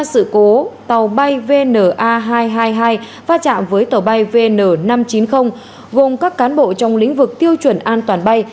sự cố tàu bay vna hai trăm hai mươi hai va chạm với tàu bay vn năm trăm chín mươi gồm các cán bộ trong lĩnh vực tiêu chuẩn an toàn bay